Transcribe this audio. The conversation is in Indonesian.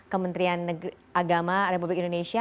kementerian agama republik indonesia